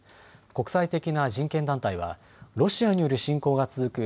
国際的な人権団体はロシアによる侵攻が続く